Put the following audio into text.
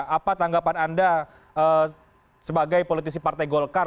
apa tanggapan anda sebagai politisi partai golkar